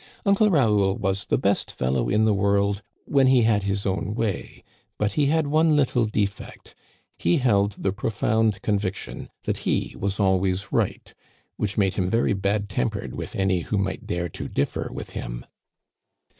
Uncle Raoul was the best fellow in the world when he .had his own way ; but he bad one little defect. He held the profound conviction that he was always right, which made him very bad tem pered with any who might dare to differ with him.